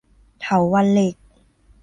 เถาวัลย์เหล็ก